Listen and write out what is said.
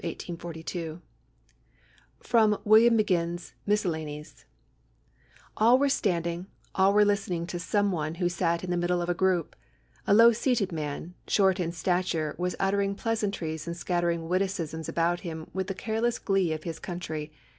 WILLIAM MAGINN 1793 1842 [Sidenote: William Maginn's Miscellanies.] "All were standing, all were listening to some one who sat in the middle of a group. A low seated man, short in stature, was uttering pleasantries and scattering witticisms about him with the careless glee of his country.